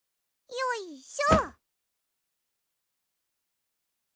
よいしょ！